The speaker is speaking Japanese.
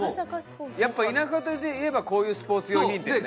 やっぱ田舎といえばこういうスポーツ用品店ね。